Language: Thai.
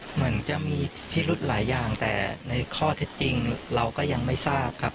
เหมือนจะมีพิรุธหลายอย่างแต่ในข้อเท็จจริงเราก็ยังไม่ทราบครับ